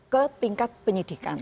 ke tingkat penyelidikan